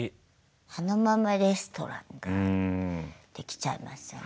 あのままレストランができちゃいますよね。